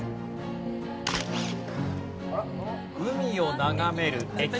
海を眺める駅。